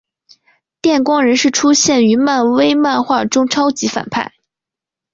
电光人是出现于漫威漫画中超级反派。